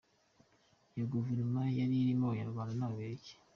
Iyo Guverinoma yari irimo Abanyarwanda n’ababirigi.